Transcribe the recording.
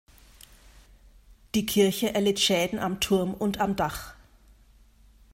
Die Kirche erlitt Schäden am Turm und am Dach.